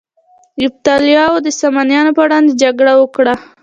یفتلیانو د ساسانیانو پر وړاندې جګړه وکړه